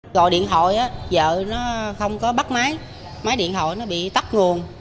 gọi điện thoại vợ nó không có bắt máy máy điện hội nó bị tắt nguồn